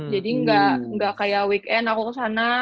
jadi enggak kayak weekend aku kesana